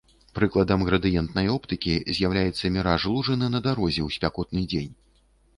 Прыкладам градыентнай оптыкі з'яўляецца міраж лужыны на дарозе ў спякотны дзень.